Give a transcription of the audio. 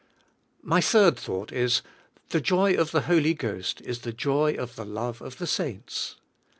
My third thought is: the joy of the Holy Ghost is the joy of the love of the saints.